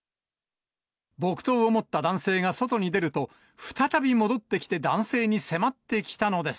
木刀を持った男性が外に出ると、再び戻ってきて男性に迫ってきたのです。